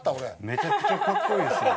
めちゃくちゃかっこいいですね。